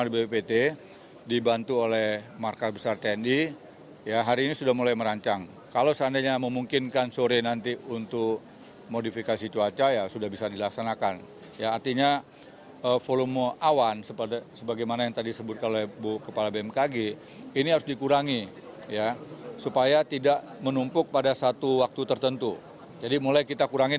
bppt akan menurunkan teknologi modifikasi cuaca ekstrim yang ada di jabodetabek